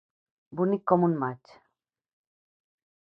Bonic com un maig.